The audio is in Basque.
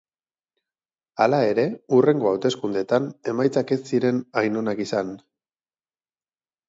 Hala ere hurrengo hauteskundetan emaitzak ez ziren hain onak izan.